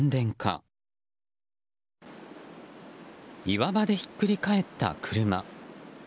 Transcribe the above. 岩場でひっくり返った車。